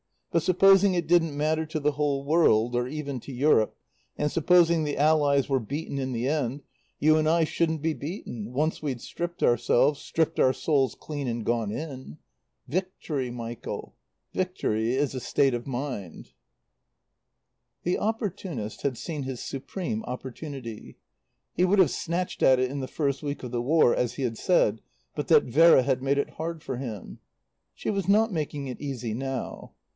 But supposing it didn't matter to the whole world, or even to Europe, and supposing the Allies were beaten in the end, you and I shouldn't be beaten, once we'd stripped ourselves, stripped our souls clean, and gone in. "Victory, Michael victory is a state of mind." The opportunist had seen his supreme opportunity. He would have snatched at it in the first week of the War, as he had said, but that Vera had made it hard for him. She was not making it easy now.